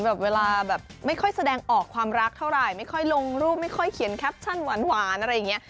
แบบเวลาแบบไม่ค่อยแสดงออกความรักเท่าไหร่ไม่ค่อยลงรูปไม่ค่อยเขียนแคปชั่นหวานอะไรอย่างนี้